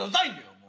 もう。